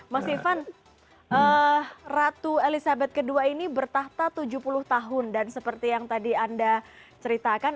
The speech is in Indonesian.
mas ivan ratu elizabeth ii ini bertahta tujuh puluh tahun dan seperti yang tadi anda ceritakan